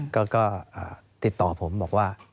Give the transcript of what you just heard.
ก็ติดต่อผมบอกว่า